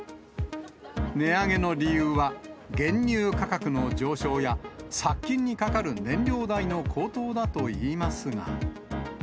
値上げの理由は、原乳価格の上昇や殺菌にかかる燃料代の高騰だといいますが。